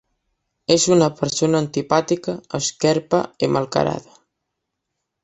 És una persona antipàtica, esquerpa i malcarada.